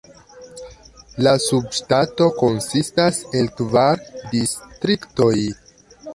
La subŝtato konsistas el kvar distriktoj.